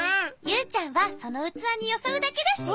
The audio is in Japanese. ユウちゃんはそのうつわによそうだけだし。